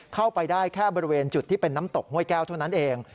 เข้าไปได้แค่บริเวณจุดที่เป็นน้ำตกห้วยแก้วเท่านั้นเอง